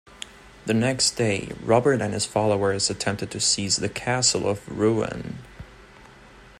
The next day Robert and his followers attempted to seize the castle of Rouen.